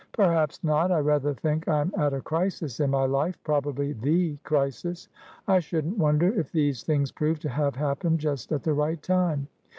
"Perhaps not. I rather think I'm at a crisis in my lifeprobably the crisis. I shouldn't wonder if these things prove to have happened just at the right time.